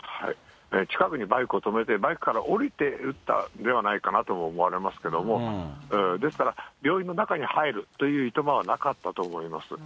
近くにバイクを止めて、バイクから降りて撃ったんではないかなとも思われますけれども、ですから病院の中に入るといういとまはなかったと思います。